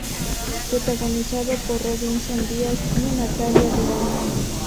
Protagonizado por Robinson Diaz y Natalia Duran.